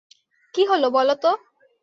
কী হল বলো তো।